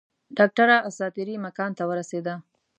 ډاکټره اساطیري مکان ته ورسېده.